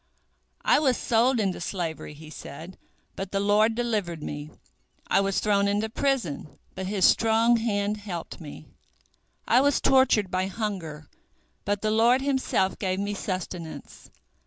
"I was sold into slavery," he said, "but the Lord delivered me; I was thrown into prison, but His strong hand helped me. I was tortured by hunger, but the Lord Himself gave me sustenance.